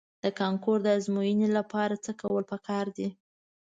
د کانکور د ازموینې لپاره څه کول په کار دي؟